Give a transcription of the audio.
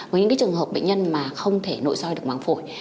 với những trường hợp bệnh nhân mà không thể nội soi được màng phổi